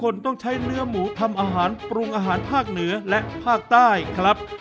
คนต้องใช้เนื้อหมูทำอาหารปรุงอาหารภาคเหนือและภาคใต้ครับ